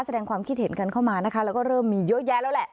แสดงความคิดเห็นกันเข้ามานะคะแล้วก็เริ่มมีเยอะแยะแล้วแหละ